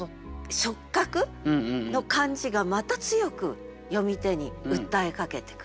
触覚の感じがまた強く読み手に訴えかけてくる。